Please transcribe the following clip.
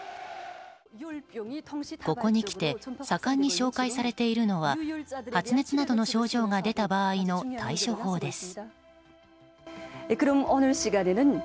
ここにきて盛んに紹介されているのは発熱などの症状が出た場合の対処法です。